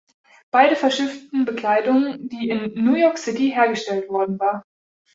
Beide verschifften Bekleidung die in New York City hergestellt worden war.